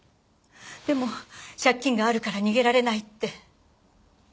でも借金があるから逃げられないって。